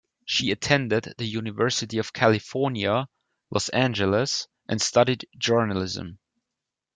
She attended the University of California, Los Angeles, and studied Journalism.